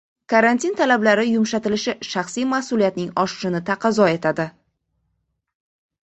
Karantin talablari yumshatilishi shaxsiy mas’uliyatning oshishini taqozo etadi